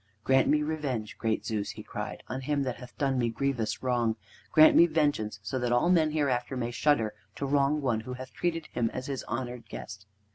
"Grant me revenge, great Zeus!" he cried. "On him that hath done me grievous wrong, grant me vengeance, so that all men hereafter may shudder to wrong one who hath treated him as his honored guest."